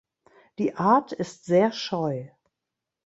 Die Art ist sehr scheu.